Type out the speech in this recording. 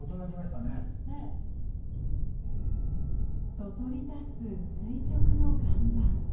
そそり立つ垂直の岩盤。